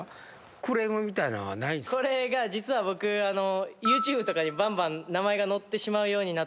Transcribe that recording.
これが実は僕ＹｏｕＴｕｂｅとかにバンバン名前が載ってしまうようになったぐらい。